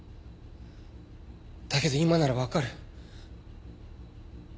だけど今ならわかる。